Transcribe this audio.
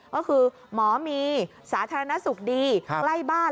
ก็คือหมอมีสาธารณสุขดีใกล้บ้าน